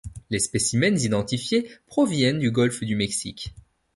Les spécimens identifiés proviennent du golfe du Mexique.